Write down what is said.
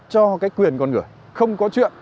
cho cái quyền con người không có chuyện